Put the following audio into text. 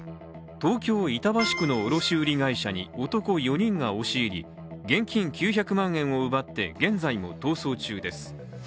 東京・板橋区の卸売会社に男４人が押し入り現金９００万円を奪って現在も逃走中です。